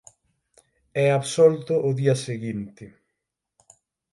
É absolto o día seguinte.